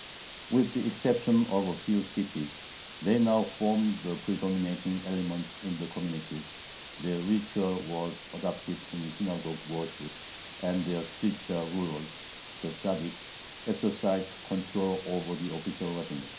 With the exception of a few cities, they now formed the predominating element in the communities; their ritual was adopted in synagogue worship, and their spiritual rulers, the Tzaddiks, exercised control over the official rabbinate.